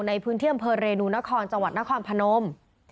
ในพื้นที่อำเภอเรนูนครจังหวัดนครพนม